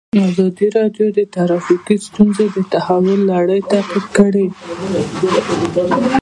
ازادي راډیو د ټرافیکي ستونزې د تحول لړۍ تعقیب کړې.